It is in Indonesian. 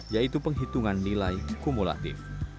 yaitu penghitungan nilai kumulatif